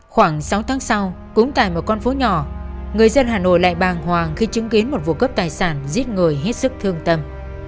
khoảng sáu tháng sau người dân hà nội lại bàng hoàng khi chứng kiến một vụ cấp tài sản giết người hết sức thương tâm